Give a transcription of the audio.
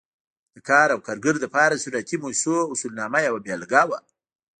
د کار او کارګر لپاره د صنعتي مؤسسو اصولنامه یوه بېلګه وه.